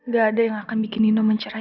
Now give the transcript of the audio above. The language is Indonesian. gak ada yang akan bikin nino mencerahi